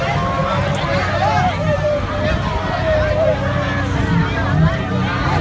ก็ไม่มีเวลาให้กลับมาเท่าไหร่